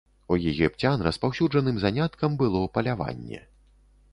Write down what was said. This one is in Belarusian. У егіпцян распаўсюджаным заняткам было паляванне.